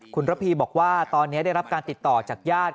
คุณระพีบอกว่าตอนนี้ได้รับการติดต่อจากญาติ